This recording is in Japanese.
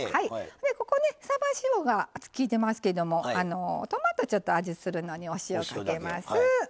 でここねさば塩がきいてますけどもトマトちょっと味するのにお塩かけます。